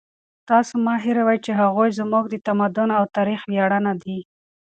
تاسو مه هېروئ چې هغوی زموږ د تمدن او تاریخ ویاړونه دي.